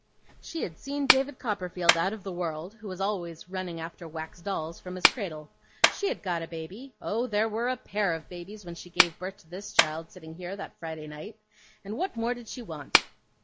She had seen David Copperfield out of the world, who was always running after wax dolls from his cradle. She had got a baby oh, there were a pair of babies when she gave birth to this child sitting here, that Friday night! and what more did she want?